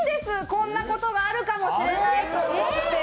こんなことがあるかもしれないって。